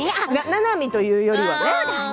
ななみというよりはね。